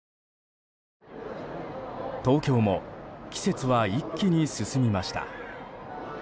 東京も季節は一気に進みました。